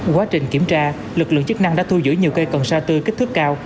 quá trình kiểm tra lực lượng chức năng đã thu giữ nhiều cây cần sa tư kích thước cao